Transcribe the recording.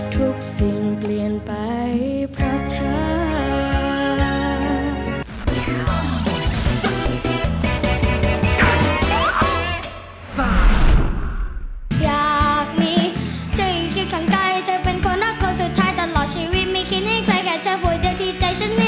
ทุกสิ่งเปลี่ยนไปเพราะเธอ